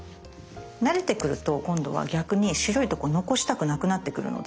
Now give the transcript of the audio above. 慣れてくると今度は逆に白いとこ残したくなくなってくるので。